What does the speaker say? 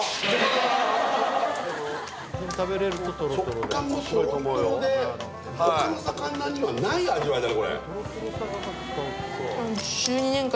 食感もトロトロで、他の魚にはない味わいだね。